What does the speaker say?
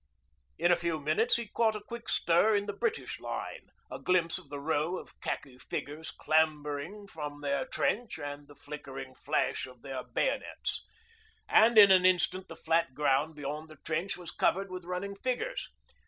In a few minutes he caught a quick stir in the British line, a glimpse of the row of khaki figures clambering from their trench and the flickering flash of their bayonets and in an instant the flat ground beyond the trench was covered with running figures.